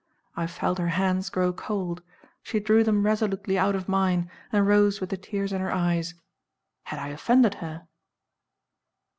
I felt her hands grow cold; she drew them resolutely out of mine, and rose with the tears in her eyes. Had I offended her?